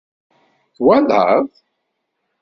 Twalaḍ?